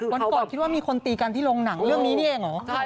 วันก่อนคิดว่ามีคนตีกันที่โรงหนังเรื่องนี้นี่เองเหรอ